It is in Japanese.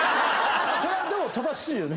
それはでも正しいよね。